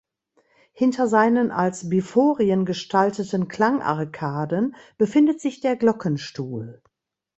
Hinter seinen als Biforien gestalteten Klangarkaden befindet sich der Glockenstuhl.